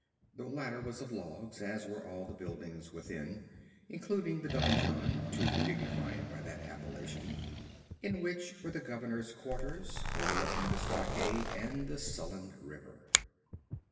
The latter was of logs, as were all the buildings within, including the donjon (to dignify it by that appellation), in which were the governor's quarters, overlooking the stockade and the sullen river.